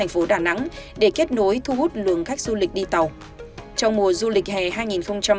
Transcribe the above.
và bán hàng